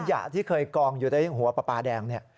ขยะที่เคยกองอยู่ในหัวปลาแดงนี่